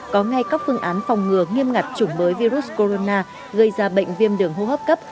có ngay các phương án phòng ngừa nghiêm ngặt chủng mới virus corona gây ra bệnh viêm đường hô hấp cấp